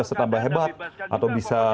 setambah hebat atau bisa